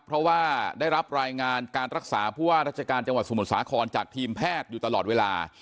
เพราะว่าได้รับรายงานการรักษาผู้ว่าราชการจังหวัดสมุทรสาครจากทีมแพทย์อยู่ตลอดเวลา